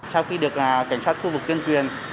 sau khi được cảnh sát khu vực kiên quyền